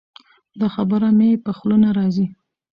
دا خبره مې په خوله نه راځي.